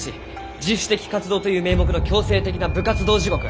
自主的活動という名目の強制的な部活動地獄。